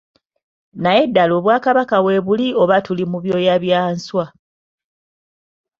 Naye ddala Obwakabaka weebuli oba tuli ku byoya bya nswa.